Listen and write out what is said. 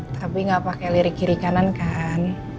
tapi gak pake liri kiri kanan kan